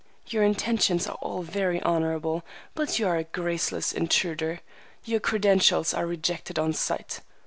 Your intentions are all very honorable, but you are a graceless intruder. Your credentials are rejected on sight."